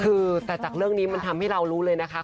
คือแต่จากเรื่องนี้มันทำให้เรารู้เลยนะคะ